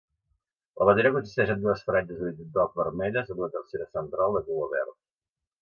La bandera consisteix en dues franges horitzontals vermelles amb una tercera central de color verd.